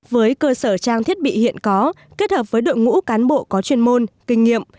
với cơ sở trang thiết bị hiện có kết hợp với đội ngũ cán bộ có chuyên môn kinh nghiệm